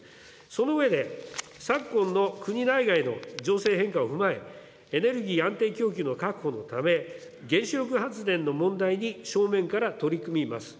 その上で、昨今の国内外の情勢変化を踏まえ、エネルギー安定供給の確保のため、原子力発電の問題に正面から取り組みます。